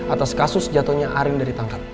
atas kasus jatuhnya arin dari tangkap